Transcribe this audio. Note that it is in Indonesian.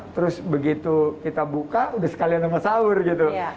terus begitu kita buka udah sekalian sama sahur gitu